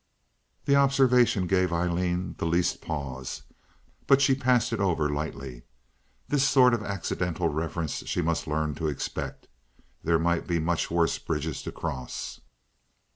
The observation gave Aileen the least pause, but she passed it over lightly. This sort of accidental reference she must learn to expect; there might be much worse bridges to cross.